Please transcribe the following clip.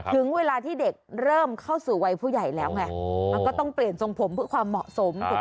ถึงเวลาที่เด็กเริ่มเข้าสู่วัยผู้ใหญ่แล้วไงมันก็ต้องเปลี่ยนทรงผมเพื่อความเหมาะสมถูกไหม